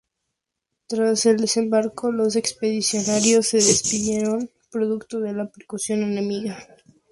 Tras el desembarco, los expedicionarios se dispersaron producto de la persecución enemiga.